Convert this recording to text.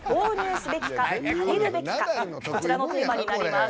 こちらのテーマになります。